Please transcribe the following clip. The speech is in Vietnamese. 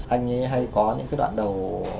anh ấy hay có những đoạn đầu